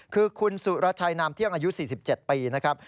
คือคุณสุรชัยนามเที่ยงอายุ๔๗ปีนะครับ